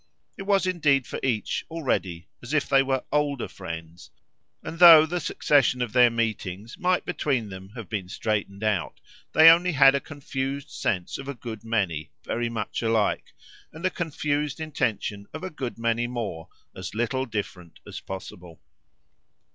It was indeed for each, already, as if they were older friends; and though the succession of their meetings might, between them, have been straightened out, they only had a confused sense of a good many, very much alike, and a confused intention of a good many more, as little different as possible.